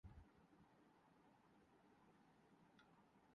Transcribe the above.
Pakistan super league کا final ٹیموں کو خوش مدید کہنے کے لئے شہر کی سڑکوں کوسجا دیا گیا